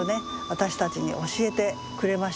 私たちに教えてくれました。